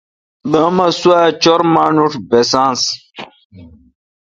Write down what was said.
بہ اماں سوا چُر مانوش بساں۔